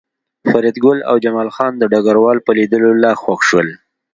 فریدګل او جمال خان د ډګروال په لیدو لا خوښ شول